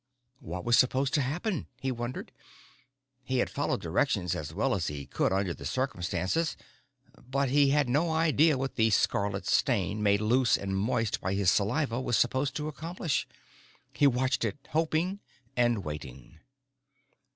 What was supposed to happen, he wondered? He had followed directions as well as he could under the circumstances, but he had no idea what the scarlet stain, made loose and moist by his saliva, was supposed to accomplish. He watched it, hoping and waiting.